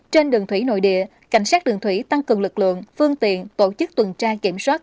trên đường thủy nội địa cảnh sát đường thủy tăng cường lực lượng phương tiện tổ chức tuần tra kiểm soát